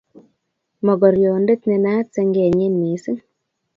mokorionde ne naat sengenyin mising